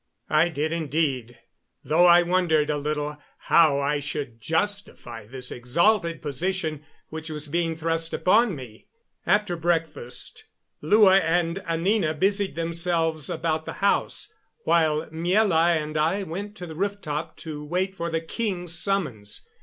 I did, indeed, though I wondered a little how I should justify this exalted position which was being thrust upon me. After breakfast Lua and Anina busied themselves about the house, while Miela and I went to the rooftop to wait for the king's summons.